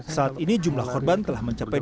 saat ini jumlah korban telah mencapai